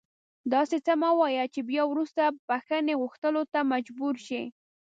داسې څه مه وایه چې بیا وروسته بښنې غوښتلو ته مجبور شې